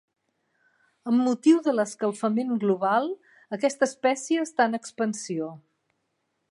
Amb motiu de l'escalfament global, aquesta espècie està en expansió.